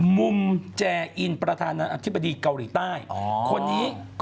มุมแจอินประธานาธิบดีเกาหลีใต้คนนี้